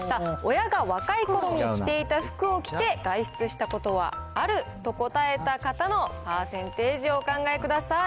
親が若いころに着ていた服を着て外出したことはあると答えた方のパーセンテージをお考えください。